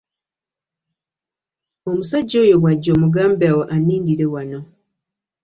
Omusajja oyo bw'ajja omugambe annindireko wano.